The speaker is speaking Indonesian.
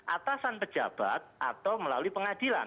atasan pejabat atau melalui pengadilan